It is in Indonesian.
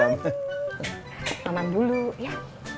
tunggu dulu ya